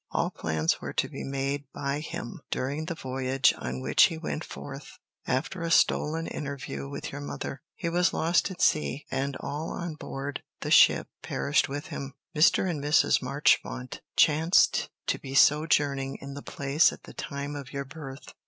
All plans were to be made by him during the voyage on which he went forth, after a stolen interview with your mother. He was lost at sea, and all on board the ship perished with him. Mr. and Mrs. Marchmont chanced to be sojourning in the place at the time of your birth.